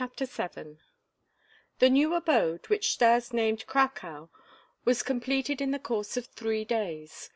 VII The new abode, which Stas named "Cracow," was completed in the course of three days.